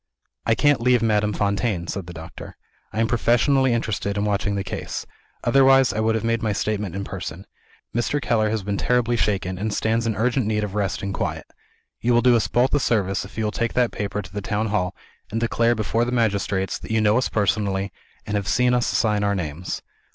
"I can't leave Madame Fontaine," said the doctor; "I am professionally interested in watching the case. Otherwise, I would have made my statement in person. Mr. Keller has been terribly shaken, and stands in urgent need of rest and quiet. You will do us both a service if you will take that paper to the town hall, and declare before the magistrates that you know us personally, and have seen us sign our names.